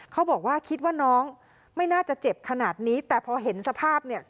เขาบอกว่าคิดว่าน้องไม่น่าจะเจ็บขนาดนี้แต่พอเห็นสภาพเนี่ย